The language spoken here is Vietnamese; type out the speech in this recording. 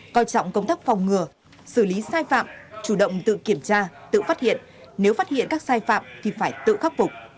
coi trọng công tác phòng ngừa xử lý sai phạm chủ động tự kiểm tra tự phát hiện nếu phát hiện các sai phạm thì phải tự khắc phục